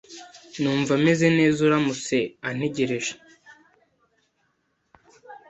Numva meze neza uramutse antegereje.